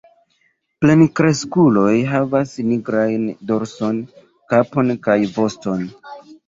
Plenkreskuloj havas nigrajn dorson, kapon kaj voston.